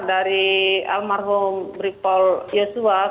dari almarhum bripol yusuf